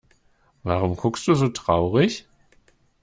Warum guckst du so traurig?